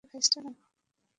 ওর কব্জি থেকে ডিভাইসটা নাও।